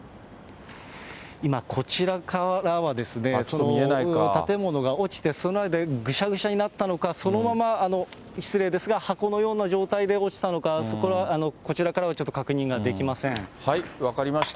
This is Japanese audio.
今、こちらからは、建物が落ちて、そのままぐしゃぐしゃになったのか、そのまま、失礼ですが箱のような状態で落ちたのか、それはこちらからはちょっと確認ができま分かりました。